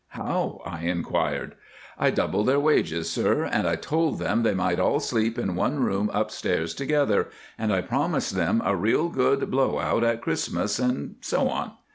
"How?" I inquired. "I doubled their wages, sir, and I told them they might all sleep in one room upstairs together, and I promised them a real good blow out at Christmas, and so on.